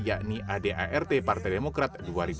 yakni adart partai demokrat dua ribu satu